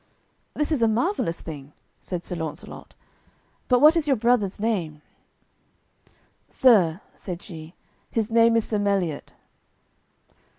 "This is a marvellous thing," said Sir Launcelot, "but what is your brother's name?" "Sir," said she, "his name is Sir Meliot."